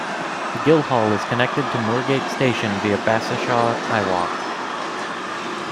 The Guildhall is connected to Moorgate station via Bassishaw Highwalk.